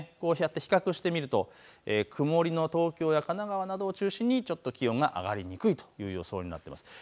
比較してみると曇りの東京や神奈川などを中心にちょっと気温が上がりにくいという予想になっています。